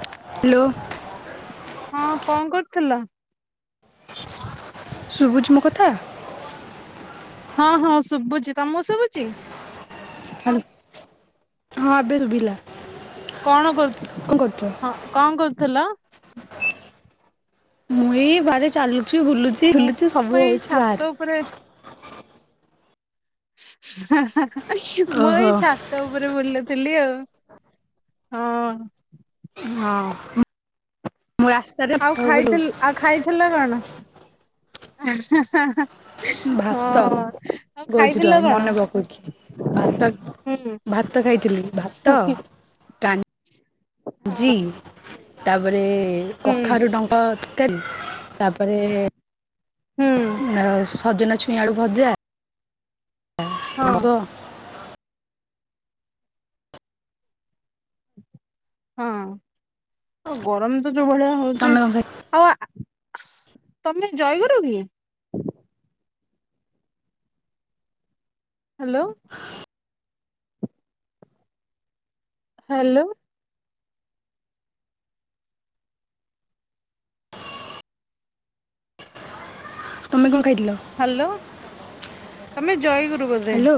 Hello. ହଁ କ କରୁଥିଲ? ଶୁଭୁଛି ମୋ କଥା? ହଁ ହଁ ଶୁଭୁଛି ତମକୁ ଶୁଭୁଛି? ହଉ ହଁ ଏବେ ଶୁଭିଲା। କଣ କରୁ କଣ କରୁଛ? ହଁ କଣ କରୁଥିଲ? ମୁଁ ଏଇ ବାରିରେ ଚାଲୁଚି ବୁଲୁଚି ଝୁଲୁଚି ସବୁ ହଉଚି ବାହାରେ। ତାପରେ ହାଁ ହାଁ ମୁଁ ଏଇ ଓହୋ ଛା ଛାତ ଉପରେ ବୁଲଥିଲି ଆଉ ହଁ। ହଁ ମୁଁ ଆସି ଆଉ ଖାଇଥି ଆଉ ଖାଇଥିଲା କଣ ହାଁ ‌ହାଁ ହାଁ। ଭାତ କହୁଛି ରୁହ ଖାଇଥିଲ କଣ? ମନେ ପକଉଛି। ଭାତ ହୁଁ ଭାତ ଖାଇଥିଲି ଭାତ, ଡ଼ା ଜି ହଁ ତାପରେ ହୁଁ କଖାରୁ ଡ ପଦକାଲି [unintelligible] ତାପରେ ହୁଁ ଆଉ ସଜନା ଛୁଇଁ ଆଳୁ ଭଜା ହଁ ଆମ୍ବ ହଁ ଆଉ ଗରମ ତ ଯୋଉ ଭଳିଆ ହଉଛି ତମେ କଣ ଖାଇ ଆଉ-ଆ ତମେ ଜୟଗରୁ କି? ହାଲୋ। ହାଲୋ। ତମେ କଣ ଖାଇଥିଲ? ହାଲୋ ତମେ ଜୟ ଗୁରୁ ବୋଧେ? ହ୍ୟାଲୋ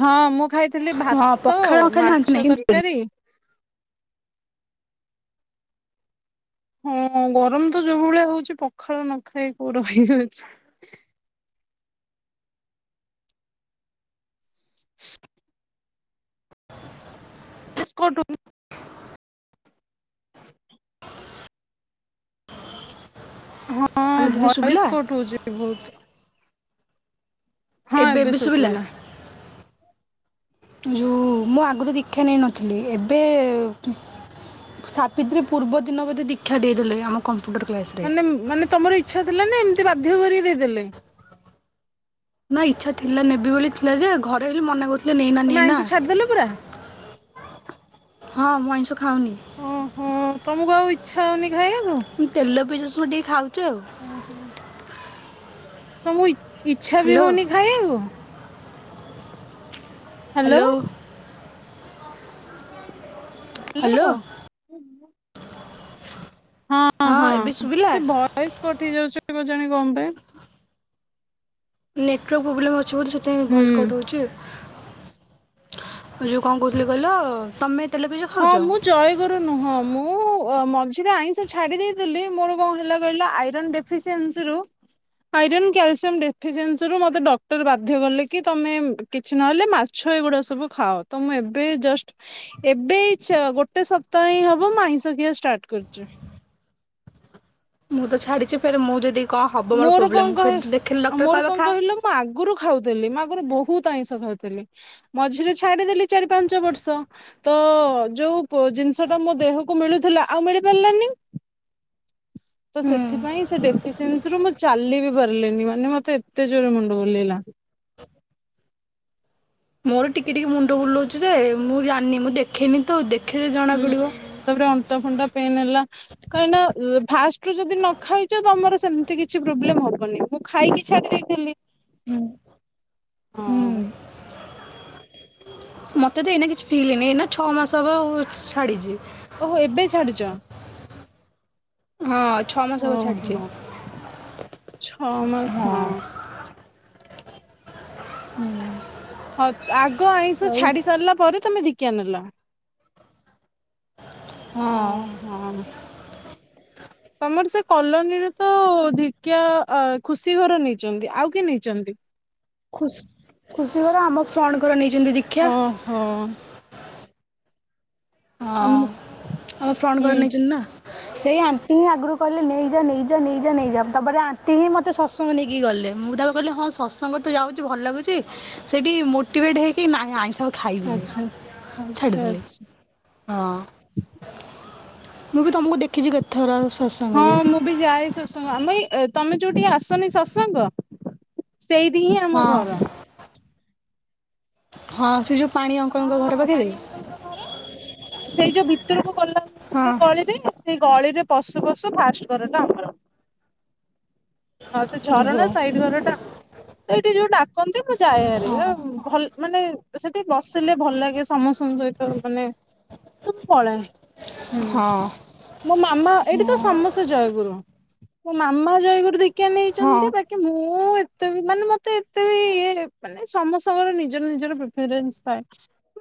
ହଁ ମୁଁ ଖାଇଥିଲି ହଁ ଭାତ ପଖାଳ ନ ଖାଇଲେ ଶାନ୍ତି ମାଛ ନାହିଁ ତରକାରୀ ହଁ ଗରମ ତ ଯୋଉ ଭଳିଆ ହଉଛି ପଖାଳ ନ ଖାଇ କୋଉ ରହି ହୋଉଚି। [inaudible] ହଁ ହ୍ୟାଲୋ ଦିଦି ଶୁଭିଲା ଭଏସ କଟୁଉଛି ବହୁତ। ହଁ ଏବେ ଶୁବିଲା। ଯୁ ମୁଁ ଆଗରୁ ଦୀକ୍ଷା ନେଇ ନଥିଲି ଏବେ ସାବିତ୍ରୀ ପୂର୍ବ ଦିନ ବୋଧେ ଦୀକ୍ଷା ଦେଇଦଲେ ଆମ କମ୍ପ୍ୟୁଟର କ୍ଲାସ ରେ। ମାନେ ମାନେ ତମର ଇଚ୍ଛା ଥିଲା ନା ଏମିତି ବାଧ୍ୟ କରିକି ଦେଇଦଲେ। ନା ଇଚ୍ଛା ଥିଲା ନେବି ବୋଲି ଥିଲା ଯେ ଘରେ ହେଲି ମନା କରୁ ତମେ ଆଇଁଷ ଛାଡିଦେଲ ପୁରା? ହଁ ମୁଁ ଆଇଁଷ ଖାଉନି। ଓହୋ ତମକୁ ଆଉ ଇଚ୍ଛା ହଉନି ଖାଇବାକୁ? ମୁଁ ତେଲ ପିଆଜ [unintelligible] ଟିକେ ଖାଉଚି ଆଉ ଉଁ ହୁଁ। ତମ ଇଛା ଇଚ୍ଛା ବି ହ୍ୟାଲୋ ହଉନି ଖାଇବାକୁ? ହ୍ୟାଲୋ। ହ୍ୟାଲୋ। ହଁ ହଁ ଏବେ ଶୁଭିଲା ସେ ଭଏସ କଟ ଯାଉଛି କେଜାଣି କଣ ପାଇଁ। ନେଟୱାର୍କ ପ୍ରୋବ୍ଲେମ୍ ଅଛି ବୋଲି ସେଥିପାଇଁ ଭଏସ୍ ହୁଁ। କଟହଉଚି ଆଉ। ଉ ଯଉ କଣ କହୁଥିଲି କହିଲ ତମେ ତେଲ ପିଆଜ ହଁ ଖାଉଛ ମୁଁ ଜୟେ ମୋର ନୁହଁ ମୁଁ ଅ ମଝିରେ ଆଇଁଷ ଛାଡି ଦେଇଥିଲି ମୋର କଣ ହେଲା କହିଲା ଆଇରନ ଡେ ଫିସିଏନସି ରୁ ଆଇରନ୍ କ୍ୟାଲସିୟମ ଡେଫିସିଏନ୍ସି ରୁ ମତେ ଡକ୍ଟର ବାଧ୍ୟ କଲେ କି ତମେ କିଛି ନହେଲେ ମାଛ ଏଗୁଡା ସବୁ ଖାଅ ତ ମୁଁ ଏବେ ଜଷ୍ଟ ଏ ଏବେ ଚ ଗୋଟେ ସପ୍ତାହ ହିଁ ହବ ମୁଁ ଆଇଁଷ ଖିଆ ଷ୍ଟାର୍ଟ କରିଚି। ମୁଁ ତ ଛାଡ଼ିଚି ଫେରେ ମୁଁ ଯଦି କଣ ହେବ ମୋର କଣ ପ୍ରୋବ୍ଲେମ୍ କହ ଫ ଦେଖିଲି ଆଉ ଡକ୍ଟର ମୋର କହିବ କଣ ଖା କହିଲ ମୁଁ ଆଗରୁ ଖାଉଥିଲି ମୁଁ ଆଗରୁ ବହୁତ ଆଇଁଷ ଖାଉଥିଲି ମଝିରେ ଛାଡ଼ିଦେଲି ଚାରି ପାଞ୍ଚ ବର୍ଷ ତ ଯୋଉ ପ ଜିନିଷ ଟା ମୋ ଦେହକୁ ମିଳୁଥିଲା ଆଉ ମିଳି ପାରିଲାନି ତ ସେଥିପାଇଁ ସେ ଡେଫିସିଏନ୍ସ ସେଥିରୁ ମୁଁ ଚାଲି ବି ପାରିଲିନି ମାନେ ମତେ ଏତେ ଜୋରରେ ମୁଣ୍ଡ ବୁଲେଇିଲା। ମୋର ଟିକେ ଟିକେ ମୁଣ୍ଡ ବୁଲାଉଛି ଯେ ମୁଁ ଜାଣିନି ମୁଁ ଦେଖେଇନି ତ ଦେଖେଇଲେ ଜଣାପଡ଼ିବ। ଉଁ ତାପରେ ଅଣ୍ଟା ଫାଣ୍ଟା ପେନ ହେଲା କାହିଁକି ନା ଫାଷ୍ଟ ରୁ ଯଦି ନ ଖାଇଛ ତମର ସେମିତି କିଛି ପ୍ରୋବ୍ଲେମ ହବନି ମୁଁ ଖାଇକି ଛାଡ଼ି ଦେଇଥିଲି। ହୁଁ। ହୁଁ। ହଁ ମୋତେ ତ ଏଇନା କିଛି ଫିଲ୍ନି ଏଇନା ଛଅ ମାସ ହେବ ଛାଡ଼ିଜି। ଓହୋ ଏବେ ଛାଡିଚ? ହଁ ଛଅ ମା ଓହୋ ଛଅ ମାସ ହଁ। ହୁଁ ହଉ ଆଗ ଆଇଁଷ ଛାଡି ସାରିଲା ପରେ ତମେ ଦିକିଆ ନେଲ? ହଁ ହୁଁ ହଁ। ତମର ସେ କଲୋନୀରେ ତ ଧିକିଆ ଖୁସି ଘର ନେଇଚନ୍ତି ଆଉ କିଏ ନେଇଚନ୍ତି? ଖୁ ଖୁସି ଘର ଆମ ଫ୍ରଣଙ୍କର ନେଇଛନ୍ତି ଦୀକ୍ଷା। ହଁ। ଆମ ହଁ ଆମ ଫ୍ରଣ୍ଟ ହୁଁ ଘର ନେଇଛନ୍ତି ନା। ସେଇ ଆଣ୍ଟି ହିଁ ଆଗରୁ କହିଲେ ନେଇଯା ନେଇଯା ନେଇଯା ନେଇଯା ତାପରେ ଆଣ୍ଟି ହିଁ ମତେ ମତେ ସତସଙ୍ଗ ନେଇକି ଗଲେ ମୁଁ ତାକୁ କିହିଲି ହଁ ସତସଙ୍ଗ ତ ଯାଉଚି ଭଲ ଲାଗୁଛି ସେଇଠି ମୋଟିଭେଟ ହେଇକି ନାହିଁ ଆଇଁଷକୁ ଖାଇବିନି ଆଚ୍ଛା। ଆଚ୍ଛା ଛାଡ଼ିଦେଲି। ଆଚ୍ଛା ହଁ ମୁଁ ବି ତମକୁ ଦେଖିଛି କେତଥର ହଁ ସତ୍ସଙ୍ଗରେ ମୁଁ ବି ଯାଏ ଶତତ୍ସଙ୍ଗ ଆମ ଏଇ ତମେ ଯୋଉ ଠିକି ଆସନି ଶତତ୍ସଙ୍ଗ। ସେଇଠି ହିଁ ଆମ ହଁ। ଘର। ହଁ ସେ ଯଉ। ହଁ ପାଣି ଅଙ୍କଲଙ୍କ ଘର ସେଇ ଯୋଉ ଭିତରକୁ ଗଲା ହଁ। ଗଳିରେ। ସେଇ ଗଳି ରେ ପଶୁ ପଶୁ ଫାଷ୍ଟ ଘରଟା ଆମର। ହଁ ସେ ଓହୋ। ଝରନା ସାଇଟ୍ ଘର ଟା ଆମର। ତ ଏଇଠି ଯୋଉ ଡାକନ୍ତି ମୁଁ ଯାଏ ହେରି ହେ ହଁ। ଭଲ ମାନେ ସେଠି ବସିଲେ ଭଲ ଲାଗେ ସମସ୍ତଙ୍କ ସହିତ। ତ ମାନେ ତ ପଳାଏ। ହୁଁ ହଁ। ମୋ ମାମା ଏଇଠି ତ ସମସ୍ତେ ଜୟଗୁରୁ। ମୋ ମାମା ଜୟଗୁରୁ ଦିକ୍ୟା ହଁ ନେଇଚନ୍ତି ବାକି ମୁଁ। ଏତେ ବି ମାନେ ମତେ ଏତେ ବି ଇଏ ମାନେ ସମସ୍ତଙ୍କର ନିଜର ନିଜର ପ୍ରିଫରେନ୍ସ ଥାଏ।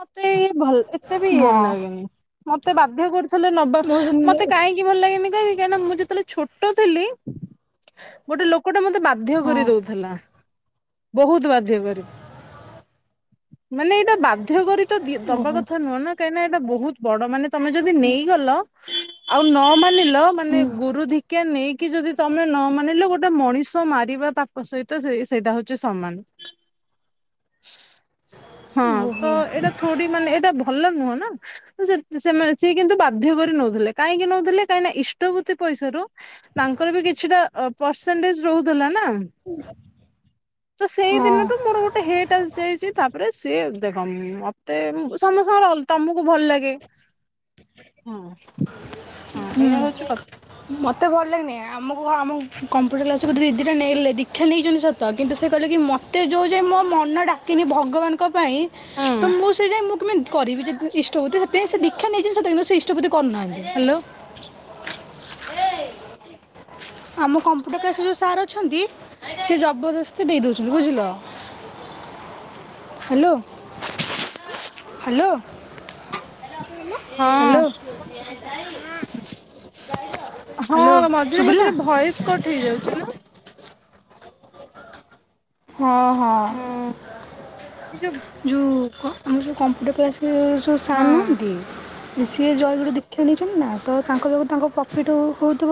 ମତେ ଇଏ ଭଲ ଏତେ ବି ଇଏ ହଁ। ଲାଗେନି ମତେ ବାଧ୍ୟ କରୁଥିଲେ ନବା। ମୁଁ ସେଦିନ ମତେ କାହିଁକି ଭଲ ଲାଗେନି କହିବ କାଇଁକିନା ମୁଁ ଯେତେବେଳେ ଛୋଟ ଥିଲି, ଗୋଟେ ଲୋକଟା ମୋତେ ବାଧ୍ୟ ହଁ। କରିଦଉଥିଲା ବହୁତ ବାଧ୍ୟ କରି। ହୁଁ। ମାନେ ଏଇଟା ବାଧ୍ୟ କରି ତ ଦି ଦବା ଓହୋ। କଥା ନୁହଁ ନା କାହିଁକିନା ଏଇଟା ବହୁତ ବଡ ମାନେ ତମେ ଯଦି ନେଇଗଲ। ଆଉ ନ ମାନିଲ ମାନେ ଗୁରୁଧିକ୍ଷା ନେଇକି ଯଦି ତମେ ନ ମାନ। ମାନିଲ ଗୋଟେ ମଣିଷ ମାରିବା ପାକ ସହିତ ସେ ସେଇଟା ହଉଛି ସମାନ। ହଁ ତ ଏଇଟା ଥୋଡି ମାନେ ଏଇଟା ଭଲ ନୁହଁ ନା। ସି ସିଏ ମାନେ ସିଏ କିନ୍ତୁ ବାଧ୍ୟ କରି ନଉଥିଲେ କାହିଁକି ନଉଥିଲେ କାହିଁକି ନା ଇଷ୍ଟବତ୍ତି ପଇସାରୁ। ତାଙ୍କର ବି କିଛିଟା ଅ ପରସେଣ୍ଟେଜ ରହୁଥିଲା ନା। ତ ସେଇ ହଁ। ଦିନଠୁ ମୋର ଗୋ। ଟେ ହେଟ୍ ଆସିଯାଇଛି ତାପରେ ସିଏ ଦେଖ ମତେ ସମସ୍ତଙ୍କର ଅଲ୍ ତମକୁ ଭଲ ଲାଗେ। ହୁଁ ହୁଁ ଏଇଆ ହଉଛି କ। ମତେ ଭଲ ଲାଗେନି ଆମକୁ ଆମ କମ୍ପୁଟର କ୍ଲାସର ଦିଦି। ଲେ ଦୀକ୍ଷା ନେଇଗେଲେ ଦୀକ୍ଷା ନେଇଛନ୍ତି ସତ କିନ୍ତୁ ସେ କଇଲେ କି ମତେ ଯୋଉ ଯାଏ ମୋ ମନ ଡାକିନି ଭଗବାନ। ଙ୍କ ପାଇଁ ତ ହୁଁ ମୁଁ ସେ ଯାଏଁ ମୁଁ କେମ। କରିବି ଯଦି ଇଷ୍ଟପତି ସେଥିପାଇଁ ସେ ଦିକ୍ଷା ନେଇଛନ୍ତି ସତ ସେ ଇଷ୍ଟପୂଜା କରୁନାହାନ୍ତି। ହ୍ୟାଲୋ। ଆମ କମ୍ପୁଟର କ୍ଲାସରେ ଯୋଉ ସାର୍ ଅଛନ୍ତି ସେ ଜବରଦସ୍ତି ଦେଇଦଉଛନ୍ତି ବୁଝିଲ। ହ୍ୟାଲୋ। ହ୍ୟାଲୋ। ହ୍ୟାଲୋ। ହଁ। ହଁ ହ୍ୟାଲୋ ମଝିରେ ଶୁଭିଲା ମଝିରେ ଭଏସ୍ କଟ୍ ହେଇଯାଉଛି ନା। ହଁ ହଁ। ଏ ଯୋ। ଯୁ କ ଆମର ଯଉ କମ୍ପୁଟର କ୍ଲାସର ସୁ ହଁ ସାର୍ ନାହାନ୍ତି। ସିଏ ଜୟଗୁରୁ ଦିକ୍ଷ୍ୟା ନେଇଛନ୍ତି ନା ତ ତାଙ୍କ ଯୋଗୁଁ ତାଙ୍କ ପ୍ରଫିଟ୍ ହଉଥିବ।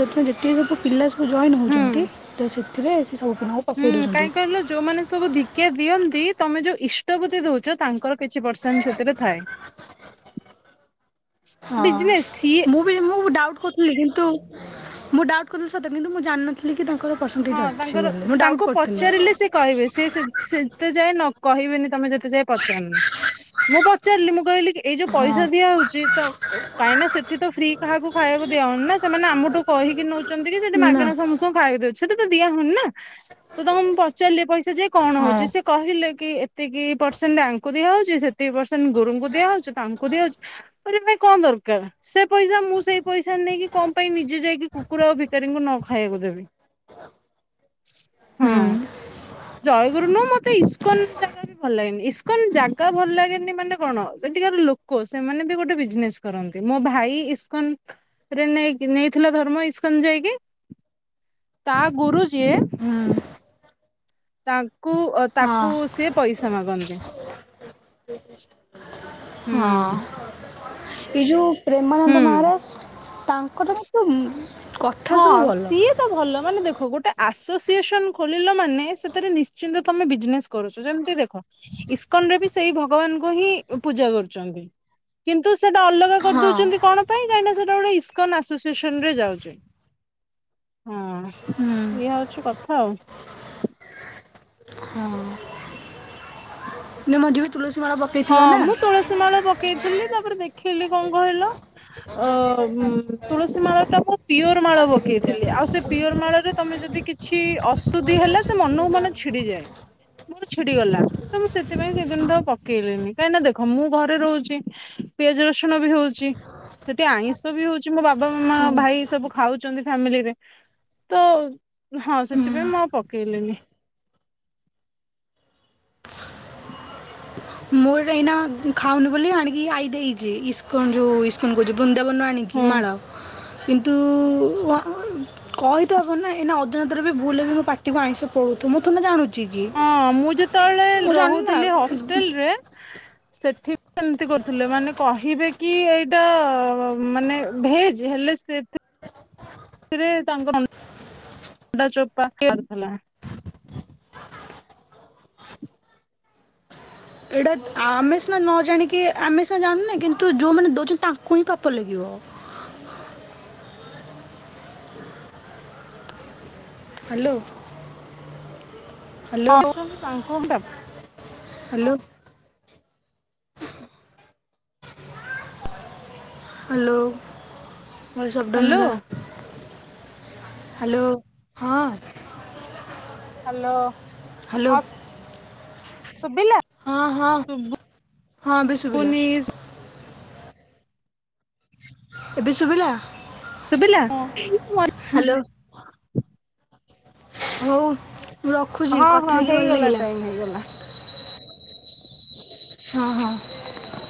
ଯେତେ ଯେତିକି ସବୁ ପିଲା ସବୁ ଜଏନ୍ ହୁଁ। ହଉଛନ୍ତି ତ ସେଥିରେ ସେ ସବୁ ଦ୍ଭା। ହୁଁ କାହିଁକି କହିଲ ଯୋଉମାନେ ସବୁ ଦି। କ୍ୟା ଦିଅନ୍ତି ତମେ ଯୋଉ ଇଷ୍ଟବତି ଦଉଚ ତାଙ୍କର କିଛି ପରସେଣ୍ଟ ସେଥିରେ ଥାଏ। ହଁ ବିଜନେସ୍ ସିଏ ମୁଁ ବି ମୁଁ ବି ଡାଉଟ୍ କରୁଥିଲି କିନ୍ତୁ ମୁଁ ଡାଉଟ୍ କରୁଥିଲି ସତ କିନ୍ତୁ ମୁଁ ଜାଣିନ। କି ତାଙ୍କର ପର୍ସେଣ୍ଟେଜ୍ ହଁ ଅଛି ତାଙ୍କର ବୋଲି ମୁଁ ତାଙ୍କୁ ଡାଉଟ୍ କରଥିଲି। ପଚାରିଲେ ସେ କହିବେ ସିଏ ସେ ସେତେ ଯାଏ ନ କହିବେନି ତମେ ଯେତେ ଯାଏ ପଚାରିନ। ମୁଁ ପଚାରିଲି ମୁଁ କହିଲି କି ଏଇ ଯୋଉ ପଇସା ହଁ ଦିଆହଉଛି ତ କ କାହିଁକି ନା ସେଠି ତ ଫ୍ରି। କାହାକୁ ଖାଇବାକୁ ଦିଆ ହଉନି ନା ସେମାନେ ଆମଠୁ କହିକି ନଉଛନ୍ତି କି ସେଠି ନା ମାଗଣା ସମ ଙ୍କୁ ଖାଇଆ ଦଉଛି ସେଟା ତ ଦିଆ ହଉନି ନା ତମକୁ ମୁଁ ପଚାରିଲି ଏ ପଇସା ଏ ପଇସା ଯାଇ କଣ ହଁ ହଉଛି ସେ କହିଲେ କି ଏତିକି ପରସେଣ୍ଟ୍ ଆାଙ୍କୁ ଦିଆହଉଛି ସେ କି ପରସେଣ୍ଟ୍ ଗୁରୁଙ୍କୁ ଦିଆ ହଉଛି ତାଙ୍କୁ ଦିଆହଉଛି କରିବା ପାଇଁ କଣ ଦରକାର ସେ ପଇସା ମୁଁ ସେଇ ପଇସା ନେଇକି କଣ ପାଇଁ ନିଜେ ଯାଇକି କୁକୁର ଆଉ ଭିକାରୀଙ୍କୁ ନ ଖାଇବାକୁ ଦେବି। ହଁ ହୁଁ ଜୟଗୁରୁନୁ ମତେ ଇସ୍ ଇସ୍କନ ଜାଗା ବି ଭଲ ଲାଗେନି ଇସ୍କନ ଜାଗା ଭଲ ଲାଗେନି ମାନେ କଣ ସେଠକାର ଲୋ କ ସେମାନେ ବି ଗୋଟେ ବିଜନେସ କରନ୍ତି ମୋ ଭାଇ ଇସ୍କନ୍ ରେ ନେଇକି ନେଇଥିଲା ଧର୍ମ ଇସ୍କନ ଯାଇକି ତା ଗୁରୁ ଯିଏ ହୁଁ ତାଙ୍କୁ ଅ ହଁ ତାକୁ ସିଏ ପଇସା ମାଗନ୍ତି। ହୁଁ ହଁ ଏ ଯୋଉ ପ୍ରେମାନନ୍ଦ ହୁଁ। ମହାରାଜ ତାଙ୍କର କିନ୍ତୁ ଉଁ କ ହଁ ଶୀତ୍ ତ ଭଲ ମାନେ ଦେଖ ଗୋଟେ ଆସୋସିଏସନ୍ ଖୋଲିଲ ମାନେ ସେଥିରେ ନିଶ୍ଚିନ୍ତ ତମେ ବିଜିନେଷ୍ କରୁଛୁ ଯେମିତି ଦେଖ ଇସ୍କନ ରେ ବି ସେଇ ଭଗବାନଙ୍କୁ ହିଁ ପୂଜା କରୁଛନ୍ତି। କିନ୍ତୁ ସେଇଟା ଅଲଗା ହଁ କରିଦଉଛନ୍ତି କଣ ପାଇଁ କାହିଁକିନା ସେଇଟ ଗୋଟେ ଇସ୍କନ୍ ଆସୋସିଏସନ୍ ରେ ଯାଉଛି। ହଁ ଇଏ ହୁଁ ଅଛୁ କଥା ଆଉ। ହଁ [inaudible] ନଁି ବି ତୁ ମ ମାଡ଼ ବାପା [inaudible] ହଁ ମୁଁ ତୁଳସୀ ମାଳ ପକେଇଥିଲି ତାପରେ ଦେଖେଇଲିି କଣ କହିଲ ଅ ଉ ତୁଳସୀ ମାଳ ଟା ମୁ ପିଓର ମାଳ ପକେଇଥିଲି ଆଉ ସେ ପିଓର ମାଳ ରେ ତମେ ଯଦି କିଛି ଅଶୁଦ୍ଧି ହେଲା ସେ ମନକୁ ମନ ଛିଡିଯାଏ। ବୋର ଛିଡି ଗଲା ତ ମୁଁ ସେଥିପାଇଁ ସେଦିନ ଠୁ ଆଉ ପ କେଲିନି କାହିଁକି ନା ଦେଖ ମୁଁ ଘରେ ରହୁଛି ପିଆଜ ରସୁଣ ବି ହଉଛି ସେଠି ଆଇଁଷ ବି ହଉଛି ମୋ ବାବା ମାମ ଭାଇ ସବୁ ଖାଉଛନ୍ତି ଫ୍ୟାମିଲିରେ ତ ହଁ ସେଥିପାଇଁ ମୁଁ ଆଉ ପକେଇଲିଣିି। ମୋର ଏଇନା ଖାଉନି ବୋଲି ଆଣିକି ଆଈ ଦେଇଛି ଇସ୍କନ୍ ଯୋଉ ଇସ୍ ଫୋନ୍ କରୁଛି ବୃନ୍ଦାବନ ଆଣିକି ହୁଁ ମାଳ କିନ୍ତୁ ଅ କହି ତ ହେବନିନା ଏଇନା ଅଜାଣତରେ ବି ଭୁଲ୍ ରେ ବି ମୋ ପାଟିକୁ ଆଇଁଷ ପଳଉଥିବ ମୁଁ ତଥୁ ନା ଜାଣୁ ହଁ ମୁଁ ଯେତେବେଳେ ରହୁଥିଲି ନା ହଷ୍ଟେଲ୍ ରେ ସେଠି ସେମତି କରୁଥିଲେ ମାନେ କହିବେ କି ଏଇଟା ମାନେ ଭେଜ୍ ହେଲେ ସେ ରେ ତାଙ୍କ ଅଣ୍ଡା [inaudible] ଚୋପାଥିଲା। ଏଇଟା ଆମେ ସିନା ନ ଜାଣିକି ଆମେ ସିନା ଜାଣୁନେ କିନ୍ତୁ ଯୋଉଁମାନେ ଦେଉଛନ୍ତି ତାଙ୍କୁ ହିଁ ପାପ ଲାଗିବ। ହ୍ୟାଲୋ। ହ୍ୟାଲୋ ହଁଛନ୍ତି ତାଙ୍କୁ [inaudible] hello. Hello voice up down hello ହେଲା। ହ୍ୟାଲୋ ହଁ ହ୍ୟାଲୋ। ହ୍ୟାଲୋ। ହଁ ଶୁଭିଲା? ହଁ ହଁ ଶୁଭୁନି ହଁ ବି ଶୁଭିଲା ଏବେ ଶୁଭିଲା ଶୁଭିଲା। ହ୍ୟାଲୋ ହଉ ମୁଁ ରଖୁଛି କଥା ହଁ ହେଇକି ଭଲ ହେଇଗଲା ଲାଗିଲା। ଟାଇମ ହେଇଗଲା। ହଁ ହଁ